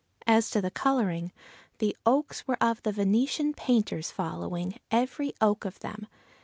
As to coloring, the oaks were of the Venetian painter's following, every oak of them!